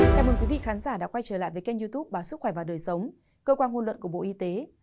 chào mừng quý vị khán giả đã quay trở lại với kênh youtube báo sức khỏe và đời sống cơ quan ngôn luận của bộ y tế